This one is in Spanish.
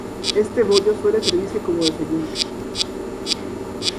Este bollo suele servirse como desayuno.